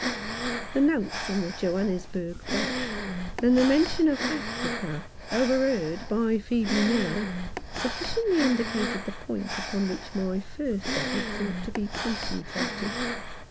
The notes on the Johannesburg Bank, and the mention of Africa overheard by Phcebe Miller, sufficiently indicated the point upon which my first efforts ought to be concentrated.